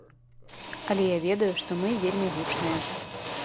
Але я ведаю, што мы вельмі гучныя.